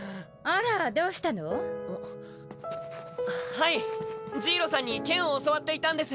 はいジイロさんに剣を教わっていたんです。